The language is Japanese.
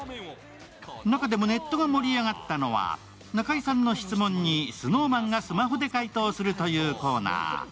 中でもネットが盛り上がったのは中居さんの質問にＳｎｏｗＭａｎがスマホで回答するというコーナー。